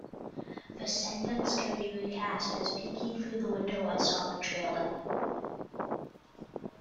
The sentence can be recast as, Peeking through the window, I saw the trailer.